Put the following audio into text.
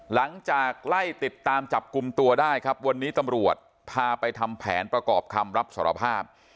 หลังจากไล่ติดตามจับกลุ่มตัวได้ครับวันนี้ตำรวจพาไปทำแผนประกอบคำรับสารภาพ